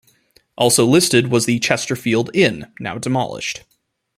Also listed was the Chesterfield Inn, now demolished.